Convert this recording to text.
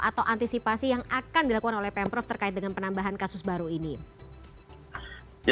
atau antisipasi yang akan dilakukan oleh pemprov terkait dengan penambahan kasus baru ini